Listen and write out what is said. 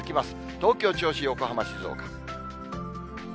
東京、銚子、横浜、静岡。